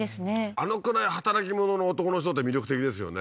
あのくらい働き者の男の人って魅力的ですよね